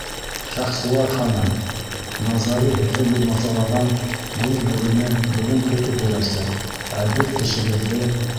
— Шахсуар ханым, Назари һеҙҙе бимазалаған Буҙ бүрене бөгөн тотоп бирәсәк, ә беҙ тешегеҙҙе...